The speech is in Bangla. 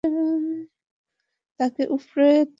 তাকে উপরে তোলো।